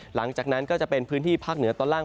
หลังจากนั้นก็จะเป็นพื้นที่ภาคเหนือตอนล่าง